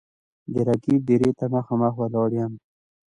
د رقیب دېرې ته مـــخامخ ولاړ یـــــم